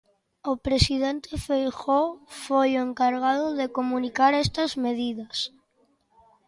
O presidente Feijóo foi o encargado de comunicar estas medidas.